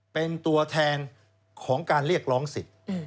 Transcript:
เป็นตัวแทนของการเรียกร้องสิทธิ์